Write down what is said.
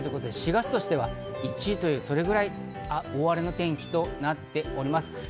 ４月としては１位の記録、大荒れの天気となっております。